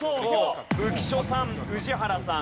浮所さん宇治原さん